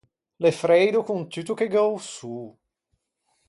L’é freido con tutto che gh’é o sô.